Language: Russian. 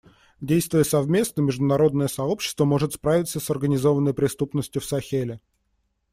Действуя совместно, международное сообщество может справиться с организованной преступностью в Сахеле.